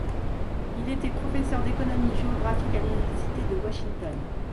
Il était professeur d'économie géographique à l'université de Washington.